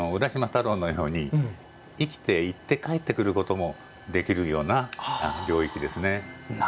太郎のように生きて行って帰ってくることもできるような領域ですね。